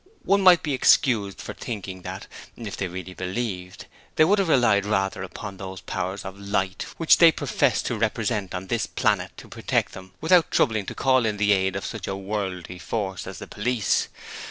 One might be excused for thinking that if they really believed they would have relied rather upon those powers of Light which they professed to represent on this planet to protect them without troubling to call in the aid of such a 'worldly' force as the police.